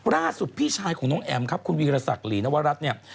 ล่าสุดพี่ชายของน้องแอมครับคุณวีรสักหลีนวรัฐเนี่ย